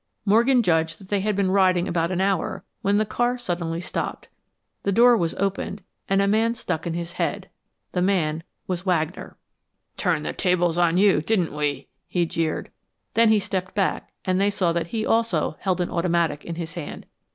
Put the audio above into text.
Morgan judged that they had been riding about an hour when the car suddenly stopped. The door was opened and a man stuck his head in. The man was Wagner. "Turned the tables on you, didn't we?" he jeered. Then he stepped back and they saw that he also held an automatic in his hand.